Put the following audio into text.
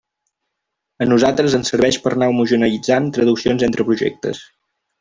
A nosaltres ens serveix per anar homogeneïtzant traduccions entre projectes.